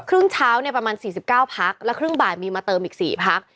ครึ่งเช้าเนี่ยประมาณ๔๙พักแล้วครึ่งบ่ายมีมาเติมอีก๔พัก